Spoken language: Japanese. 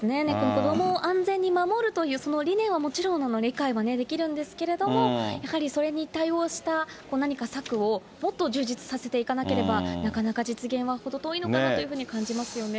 子どもを安全に守るという、その理念はもちろん理解はできるんですけれども、やはりそれに対応した何か策を、もっと充実させていかなければ、なかなか実現は程遠いのかなと感じますよね。